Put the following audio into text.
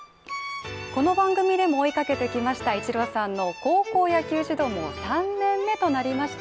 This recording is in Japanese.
この番組でも追いかけてきましたイチローさんの高校野球指導も３年目となりました。